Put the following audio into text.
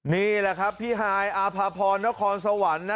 นี่แหละครับพี่ฮายอาภาพรนครสวรรค์นะ